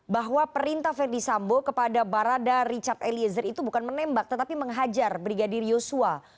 bahwa perintah verdi sambo kepada barada richard eliezer itu bukan menembak tetapi menghajar brigadir yosua